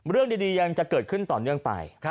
เรื่องดียังจะเกิดขึ้นต่อเนื่องไป